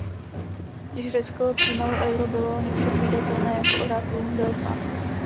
Když Řecko přijímalo euro, bylo nepředvídatelné jako orákulum v Delfách.